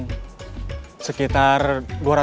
kita harus jalan santai dulu ke warung